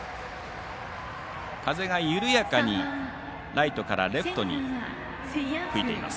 風が緩やかにライトからレフトに吹いています